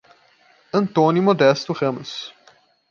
Antônio Modesto Ramos